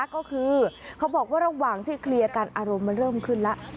ก็คือเขาบอกว่าระหว่างที่เคลียร์กันอารมณ์มันเริ่มขึ้นแล้ว